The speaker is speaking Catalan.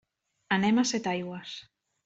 Anem a Setaigües.